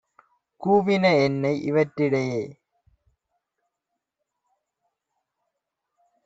கூவின என்னை! - இவற்றிடையே